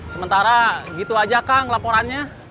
sementara gitu aja kang laporannya